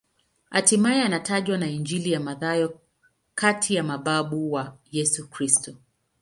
Hatimaye anatajwa na Injili ya Mathayo kati ya mababu wa Yesu Kristo.